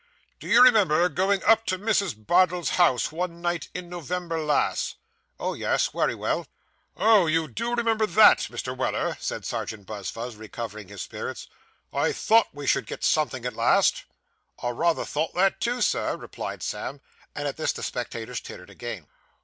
'Do you remember going up to Mrs. Bardell's house, one night in November last?' Oh, yes, wery well.' 'Oh, you do remember that, Mr. Weller,' said Serjeant Buzfuz, recovering his spirits; 'I thought we should get at something at last.' 'I rayther thought that, too, sir,' replied Sam; and at this the spectators tittered again.